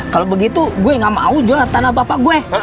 kalau begitu gue gak mau jualan tanah bapak gue